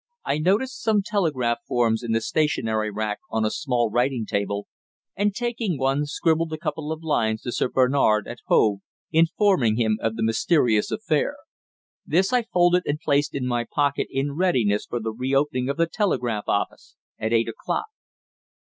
I noticed some telegraph forms in the stationery rack on a small writing table, and taking one scribbled a couple of lines to Sir Bernard, at Hove, informing him of the mysterious affair. This I folded and placed in my pocket in readiness for the re opening of the telegraph office at eight o'clock.